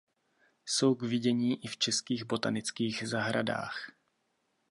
Jsou k vidění i v českých botanických zahradách.